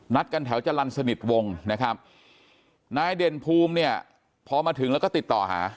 กันแถวจรรย์สนิทวงนะครับนายเด่นภูมิเนี่ยพอมาถึงแล้วก็ติดต่อหา